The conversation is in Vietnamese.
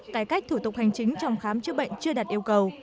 cải cách thủ tục hành chính trong khám chữa bệnh chưa đạt yêu cầu